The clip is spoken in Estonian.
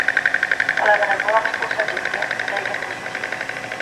Oleme nagu kaks pusletükki, need õiged pusletükid.